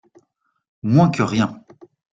Moins que rien!